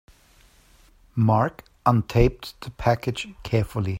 Mark untaped the package carefully.